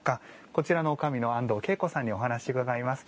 こちらのおかみの安藤啓子さんにお話を伺います。